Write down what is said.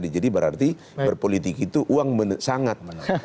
jadi berarti berpolitik itu uang sangat